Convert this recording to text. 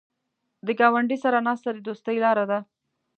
د ګاونډي سره ناسته د دوستۍ لاره ده